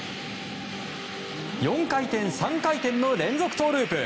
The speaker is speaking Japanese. ４回転、３回転の連続トウループ！